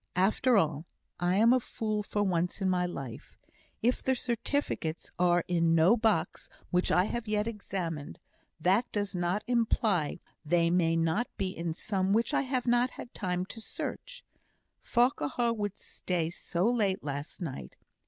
"After all, I am a fool for once in my life. If the certificates are in no box which I have yet examined, that does not imply they may not be in some one which I have not had time to search. Farquhar would stay so late last night!